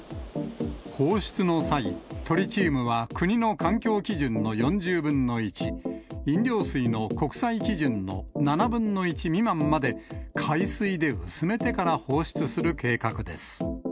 放出の際、トリチウムは国の環境基準の４０分の１、飲料水の国際基準の７分の１未満まで、海水で薄めてから放出する計画です。